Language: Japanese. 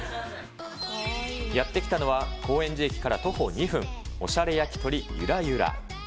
やって来たのは、高円寺駅から徒歩２分、おしゃれ焼き鳥、ユラユラ。